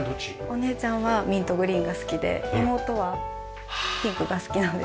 お姉ちゃんはミントグリーンが好きで妹はピンクが好きなので。